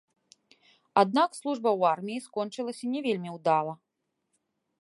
Аднак служба ў арміі скончылася не вельмі ўдала.